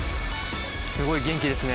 すごい元気ですね